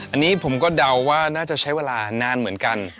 อันนี้ผมก็เดาว่าน่าจะใช้เวลานานเหมือนกัน